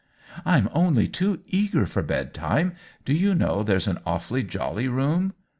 "I'm only too eager for bedtime. Do you know there's an awfully jolly room